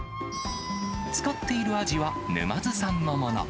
使っているあじは、沼津産のもの。